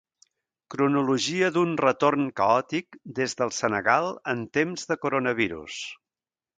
Cronologia d'un retorn caòtic des del Senegal en temps de Coronavirus.